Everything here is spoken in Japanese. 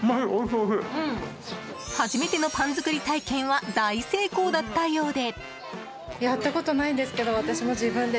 初めてのパン作り体験は大成功だったようで。